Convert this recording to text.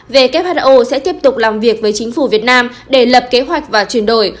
who sẽ tiếp tục làm việc với chính phủ việt nam để lập kế hoạch và chuyển đổi